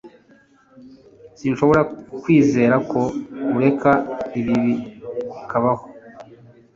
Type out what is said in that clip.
Sinshobora kwizera ko ureka ibi bikabaho